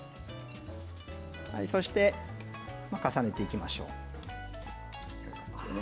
そして重ねていきましょう。